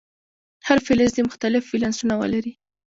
هر فلز دې مختلف ولانسونه ولري.